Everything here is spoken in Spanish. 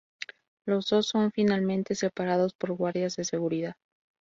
Los dos son finalmente separados por guardias de seguridad.